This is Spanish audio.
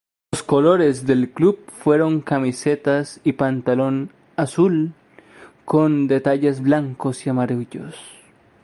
Los colores del club fueron camiseta y pantalón azules con detalles blancos y amarillos.